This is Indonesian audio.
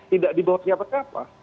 tidak di bawah siapa siapa